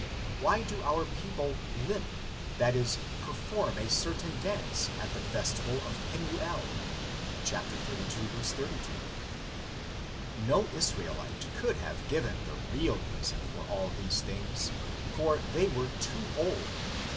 Why do our people "limp," that is, per form a certain dance, at the festival in Penuel (xxxii. 32)? No Israelite could have given the real reason for all these things, for they were too old.